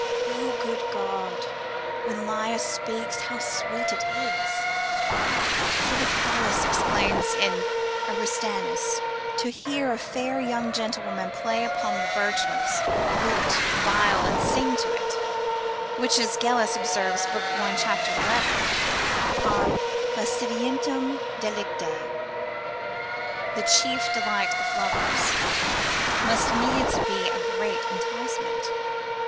O good God, when Lais speaks, how sweet it is! Philocolus exclaims in Aristenaetus, to hear a fair young gentlewoman play upon the virginals, lute, viol, and sing to it, which as Gellius observes, lib. 1. cap. 11. are lascivientium delicicae, the chief delight of lovers, must needs be a great enticement.